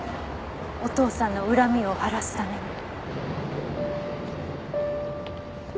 お父さんの恨みを晴らすために。